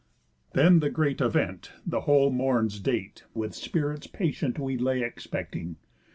Then the great event The whole morn's date, with spirits patient, We lay expecting.